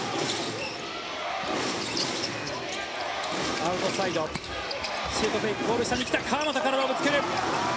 アウトサイド、シュートフェイクゴール下に来た川真田、体をぶつける。